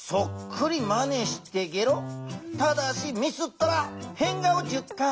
ただしミスったらへん顔１０回。